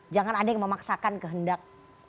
jangan ada yang memaksakan kehendak